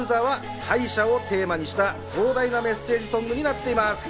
一方の『ＬＯＳＥＲ』は敗者をテーマにした壮大なメッセージソングになっています。